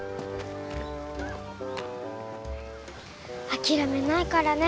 諦めないからね。